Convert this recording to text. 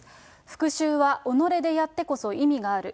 復しゅうは己でやってこそ意味がある。